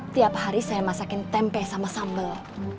tiap hari saya masakin tempe sama sambal